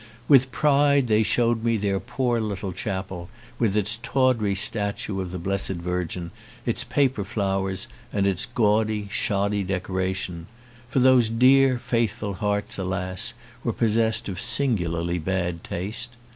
With pride they showed me their poor little chapel with its tawdry statue of the Blessed Virgin, its paper flowers, and its gaudy, shoddy decoration; for those dear faithful hearts, alas ! were possessed of singularly bad taste.